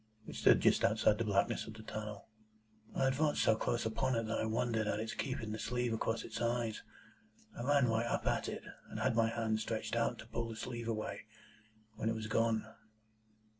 It stood just outside the blackness of the tunnel. I advanced so close upon it that I wondered at its keeping the sleeve across its eyes. I ran right up at it, and had my hand stretched out to pull the sleeve away, when it was gone."